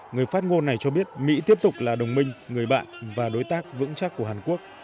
người phát ngôn này cho biết mỹ tiếp tục là đồng minh người bạn và đối tác vững chắc của hàn quốc